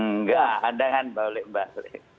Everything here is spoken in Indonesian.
nggak anda kan boleh mbak